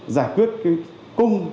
giải quyết cái cung